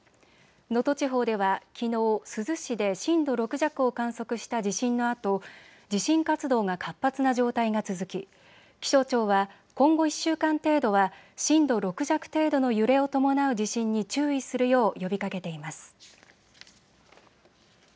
能登地方ではきのう珠洲市で震度６弱を観測した地震のあと地震活動が活発な状態が続き気象庁は今後１週間程度は震度６弱程度の揺れを伴う地震に注意するよう呼びかけています。